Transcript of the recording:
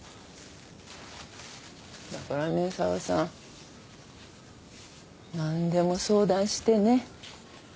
だからね紗和さん何でも相談してね。